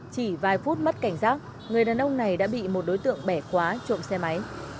chỉ vài phút mất cảnh giác người đàn ông này đã bị một đối tượng bẻ khóa trộm xe máy